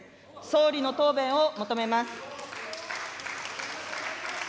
総理の答弁を求めます。